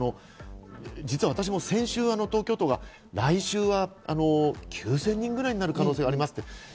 実は私も先週、東京都が来週は９０００人ぐらいになる可能性がありますって。